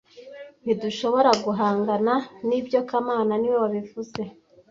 Ntidushobora guhangana nibyo kamana niwe wabivuze